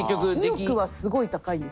意欲はすごい高いんですけど。